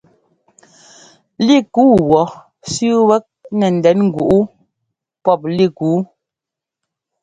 Lík yú wɔ̌ sẅíi wɛ́k nɛ ndɛn ŋgúꞌ wú pɔ́p lík yu.